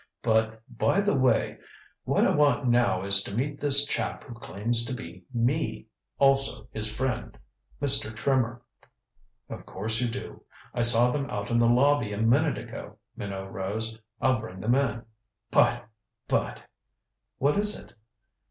But by the way what I want now is to meet this chap who claims to be me also his friend, Mr. Trimmer." "Of course you do. I saw them out in the lobby a minute ago." Minot rose. "I'll bring them in. But but " "What is it?"